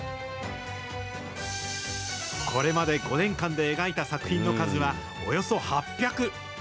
これまで５年間で描いた作品の数は、およそ８００。